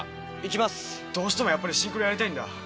どうしてもやっぱりシンクロやりたいんだ。